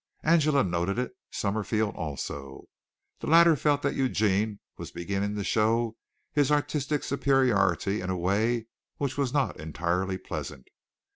Angela noted it. Summerfield also. The latter felt that Eugene was beginning to show his artistic superiority in a way which was not entirely pleasant.